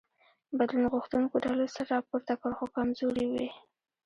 بدلون غوښتونکو ډلو سر راپورته کړ خو کمزوري وې.